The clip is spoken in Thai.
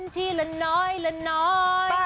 ที่ละน้อยละน้อย